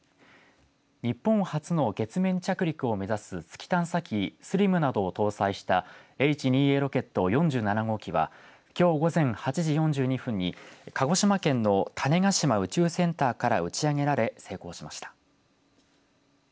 日本初の月面着陸を目指す月探査機ＳＬＩＭなどを搭載したＨ２Ａロケット４７号機はきょう午前８時４２分に鹿児島県の種子島宇宙センターから打ち上げられ、成功しました。